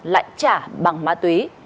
lại trả bằng ma túy